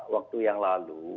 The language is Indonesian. waktu yang lalu